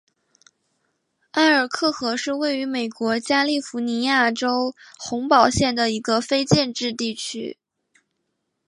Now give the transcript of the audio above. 埃尔克河是位于美国加利福尼亚州洪堡县的一个非建制地区。